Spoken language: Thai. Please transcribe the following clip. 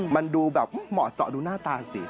มันดูแบบเหมาะเสาะดูหน้าตาสิ